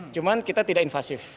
cuma kita tidak invasif